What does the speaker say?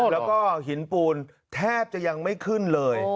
แล้วก็หินปูนแทบจะยังไม่ขึ้นเลย